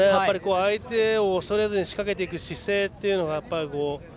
相手を恐れずに仕掛けていく姿勢というのが。